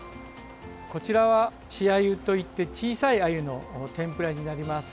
こちらは、稚アユといって小さいアユの天ぷらになります。